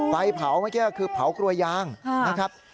ไฟเผาเมื่อกี้ก็คือเผากลัวยางนะครับ